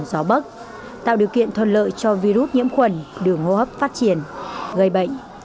gió bắc tạo điều kiện thuận lợi cho virus nhiễm khuẩn đường hô hấp phát triển gây bệnh